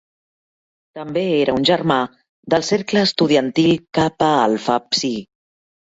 També era un germà del cercle estudiantil Kappa Alpha Psi.